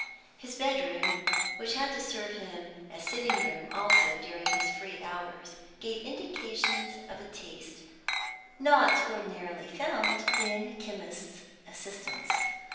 His bed room, which had to serve him as sitting room also during his free hours, gave indications of a taste not ordinarily found in chemists' assistants.